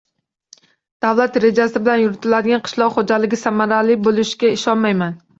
«Davlat rejasi bilan yuritiladigan qishloq xo‘jaligi samarali bo‘lishiga ishonmayman»